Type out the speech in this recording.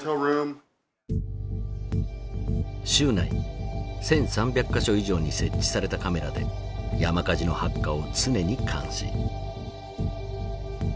州内１，３００か所以上に設置されたカメラで山火事の発火を常に監視。